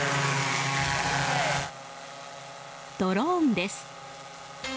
ドローンです。